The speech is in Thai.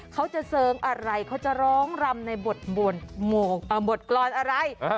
เขาจะเสริงอะไรเขาจะร้องรำในบทกรรมอะไร